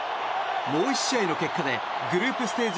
もう１試合の結果でグループステージ